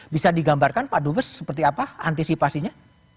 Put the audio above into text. bisa digambarkan pak dubes seperti apa antisipasinya